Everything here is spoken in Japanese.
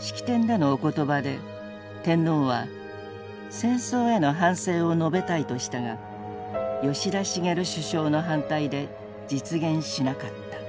式典での「おことば」で天皇は戦争への反省を述べたいとしたが吉田茂首相の反対で実現しなかった。